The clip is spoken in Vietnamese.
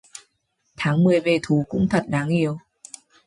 Tháng mười về thu cũng thật đáng yêu